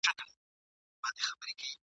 ناوړه طبیب ..